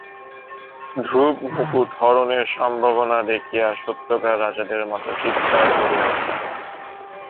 ধ্রুব মুকুটহরণের সম্ভাবনা দেখিয়া সত্যকার রাজাদের মতো চীৎকার করিয়া উঠিল।